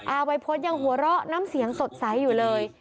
วัยพฤษยังหัวเราะน้ำเสียงสดใสอยู่เลย